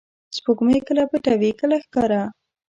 • سپوږمۍ کله پټه وي، کله ښکاره.